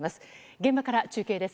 現場から中継です。